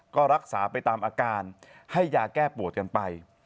ก็รักษาไปตามอาการให้ยาแก้ปวดกันไป